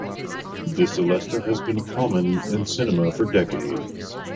The celesta has been common in cinema for decades.